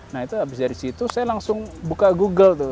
nah itu habis dari situ saya langsung buka google tuh